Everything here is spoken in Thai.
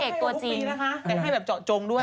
คือของพี่เวียให้แบบเจาะจงด้วย